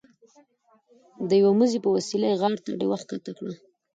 د یوه مزي په وسیله یې غار ته ډیوه ښکته کړه.